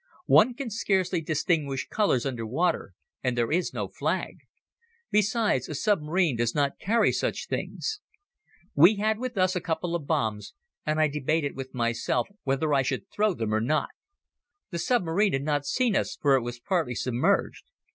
One can scarcely distinguish colors under water and there is no flag. Besides a submarine does not carry such things. We had with us a couple of bombs and I debated with myself whether I should throw them or not. The submarine had not seen us for it was partly submerged.